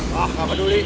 wah gak peduli